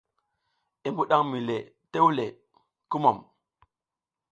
I mbuɗatan mi le tewle, kumum !